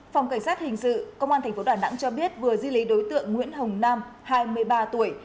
phòng cảnh sát hình sự công an tp đà nẵng cho biết vừa di lý đối tượng nguyễn hồng nam hai mươi ba tuổi